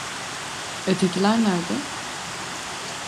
Ötekiler nerede?